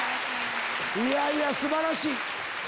いやいや素晴らしい！